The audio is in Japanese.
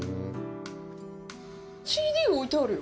ＣＤが置いてあるよ。